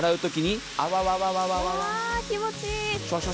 気持ち良い。